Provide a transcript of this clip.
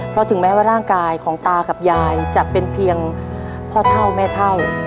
เพราะถึงแม้ว่าร่างกายของตากับยายจะเป็นเพียงพ่อเท่าแม่เท่า